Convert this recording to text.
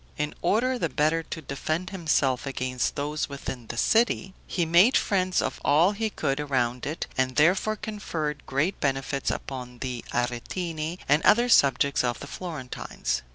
In order the better to defend himself against those within the city, he made friends of all he could around it, and therefore conferred great benefits upon the Aretini and other subjects of the Florentines.